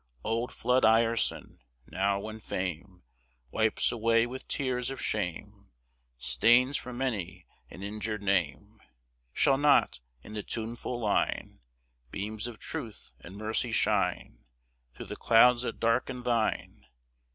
Old Flood Ireson, now when Fame Wipes away with tears of shame Stains from many an injured name, Shall not, in the tuneful line, Beams of truth and mercy shine Through the clouds that darken thine?